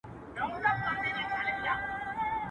چي قاتل هجوم د خلکو وو لیدلی.